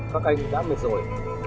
các anh đã mệt rồi